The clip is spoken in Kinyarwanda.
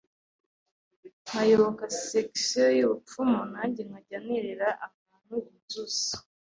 nkayoboka section y’Ubupfumu, nanjye nkajya nterera abantu inzuzi,